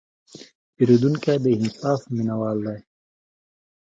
پیرودونکی د انصاف مینهوال دی.